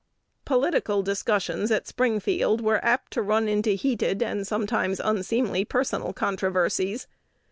Political discussions at Springfield were apt to run into heated and sometimes unseemly personal controversies.